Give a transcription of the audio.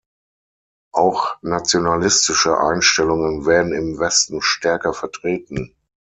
Auch nationalistische Einstellungen werden im Westen stärker vertreten.